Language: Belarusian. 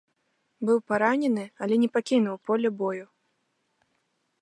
Быў паранены, але не пакінуў поле бою.